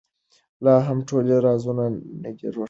لا هم ټول رازونه نه دي روښانه.